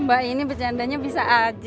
mbah ini bercandanya bisa aja